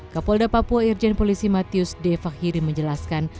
ke polda papua irjen polisi matius d fakhiri menjelaskan